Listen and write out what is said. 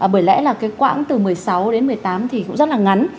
bởi lẽ là cái quãng từ một mươi sáu đến một mươi tám thì cũng rất là ngắn